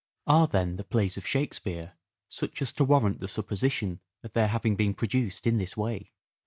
Are, then, the plays of Shakespeare such as to warrant the supposition of their having been produced in this way